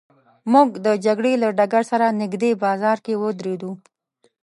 موږ د جګړې له ډګر سره نږدې بازار کې ودرېدو.